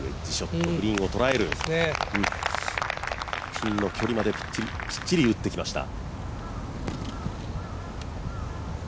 ピンの距離まできっちり打ってきました。